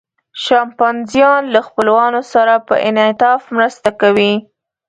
شامپانزیان له خپلوانو سره په انعطاف مرسته کوي.